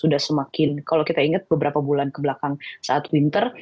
sudah semakin kalau kita ingat beberapa bulan kebelakang saat winter